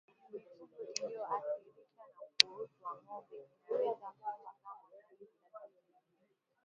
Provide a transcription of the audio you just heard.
Mifugo iliyoathirika na ukurutu wa ngombe inaweza kufa kama haitatibiwa